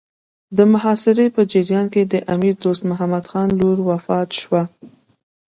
د محاصرې په جریان کې د امیر دوست محمد خان لور وفات شوه.